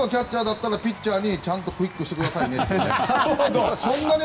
僕がキャッチャーならピッチャーにちゃんとクイックをしてくださいねといいます。